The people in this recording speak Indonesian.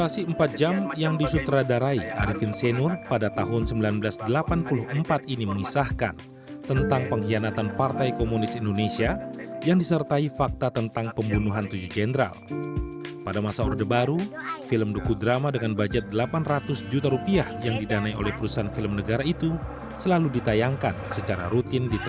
saya kira saya tidak perlu mengatakan